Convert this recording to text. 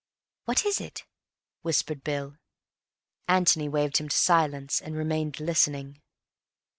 "What is it?" whispered Bill. Antony waved him to silence, and remained listening.